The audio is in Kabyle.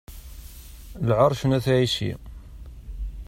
Lɛerc n At ɛisi.